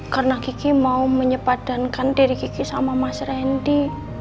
karena kiki mau menyepadankan diri kiki sama mas randy